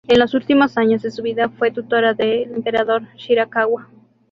En los últimos años de su vida fue tutora del Emperador Shirakawa.